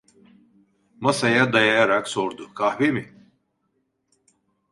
Masaya dayayarak sordu: "Kahve mi?"